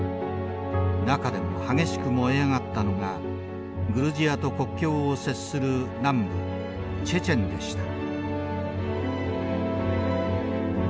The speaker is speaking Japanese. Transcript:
中でも激しく燃え上がったのがグルジアと国境を接する南部チェチェンでした。